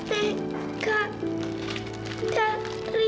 ya gak apa apa